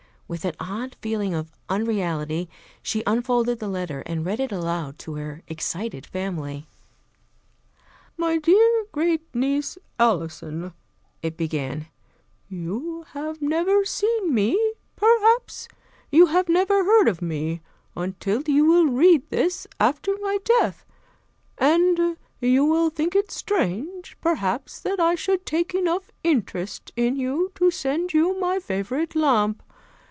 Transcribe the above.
With an odd feeling of unreality she unfolded the letter and read it aloud to her excited family. "My dear great niece, Alison," it began, "You have never seen me, perhaps you have never heard of me, until you will read this, after my death; and you will think it strange, perhaps, that I should take enough interest in you to send you my favorite lamp.